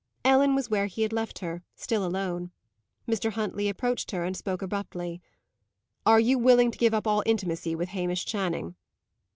Ellen was where he had left her, still alone. Mr. Huntley approached her and spoke abruptly. "Are you willing to give up all intimacy with Hamish Channing?"